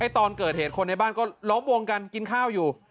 ตอนเกิดเหตุคนในบ้านก็ล้อมวงกันกินข้าวอยู่